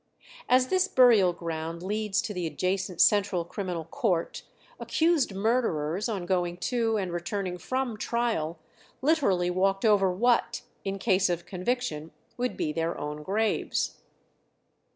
As this burial ground leads to the adjacent Central Criminal Court, accused murderers, on going to and returning from trial, literally walked over what, in case of conviction, would be their own graves.